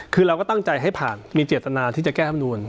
คือเราก็ตั้งใจให้ผ่านมีเจตนาที่จะแก้ธรรมนูล